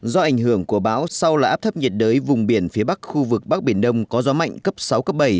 dự báo sau là áp thấp nhiệt đới vùng biển phía bắc khu vực bắc biển đông có gió mạnh cấp sáu cấp bảy